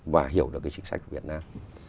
và hiểu được cái chính sách của việt nam